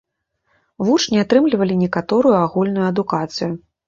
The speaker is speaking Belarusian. Вучні атрымлівалі і некаторую агульную адукацыю.